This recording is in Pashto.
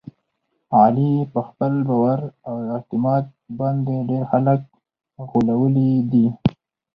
علي په خپل باور او اعتماد باندې ډېر خلک غولولي دي.